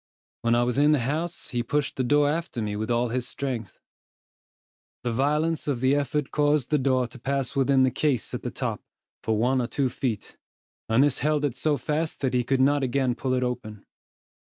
When I was in the house, he pushed the door after me with all his strength. The violence of the effort caused the door to pass within the case at the top, for one or two feet, and this held it so fast that he could not again pull it open.